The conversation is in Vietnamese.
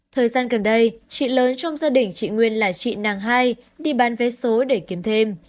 thời gian gần đây chị lớn trong gia đình chị nguyên là chị nàng hai đi bán vé số để kiếm thêm